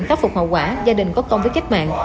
khắc phục hậu quả gia đình có công với cách mạng